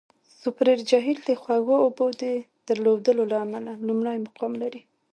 سوپریر جهیل د خوږو اوبو د درلودلو له امله لومړی مقام لري.